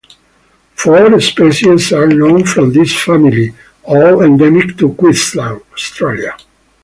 Four species are known from this family, all endemic to Queensland, Australia.